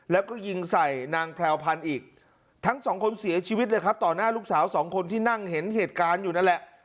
แล้วก็ยิงใส่นางแพรวพันธุ์อีกทั้งสองคนเสียชีวิตเลยครับต่อหน้าลูกสาวสองคนที่นั่งเห็นเหตุการณ์อยู่นั่นแหละ